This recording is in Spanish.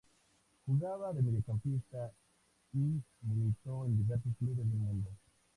Jugaba de mediocampista y militó en diversos clubes del mundo.